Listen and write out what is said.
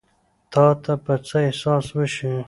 تا ته به څۀ احساس وشي ـ